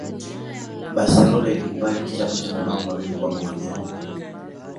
barcelona ilikubali kichapo cha mabao mawili kwa moja